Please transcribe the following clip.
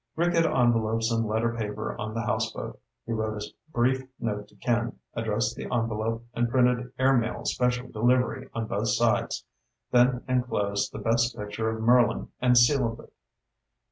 Rick had envelopes and letter paper on the houseboat. He wrote a brief note to Ken, addressed the envelope, and printed AIRMAIL SPECIAL DELIVERY on both sides, then enclosed the best picture of Merlin and sealed it.